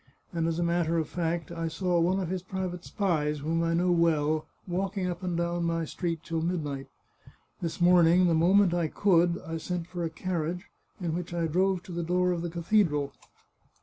And as a matter of fact I saw one of his private spies, whom I know well, walking up and down my street till midnight. This morn ing, the moment I could, I sent for a carriage, in which I drove to the door of the cathedral.